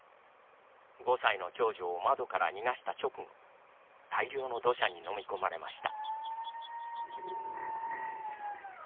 ５歳の長女を窓から逃した直後大量の土砂に飲み込まれました。